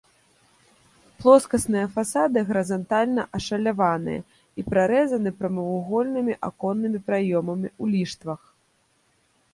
Плоскасныя фасады гарызантальна ашаляваныя і прарэзаны прамавугольнымі аконнымі праёмамі ў ліштвах.